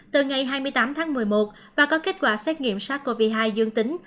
từ ngày hai mươi tám tháng một mươi một và có kết quả xét nghiệm sars cov hai dương tính